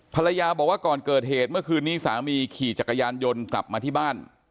ภรรยาบอกว่าก่อนเกิดเหตุเมื่อคืนนี้สามีขี่จักรยานยนต์กลับมาที่บ้าน